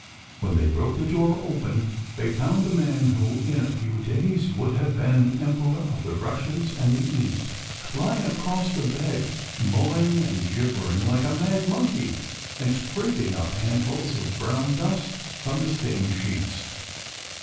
When they broke the door open, they found the man who in a few days would have been Emperor of the Russias and the East lying across the bed mowing and gibbering like a mad monkey, and scraping up handfuls of brown dust from the stained sheets.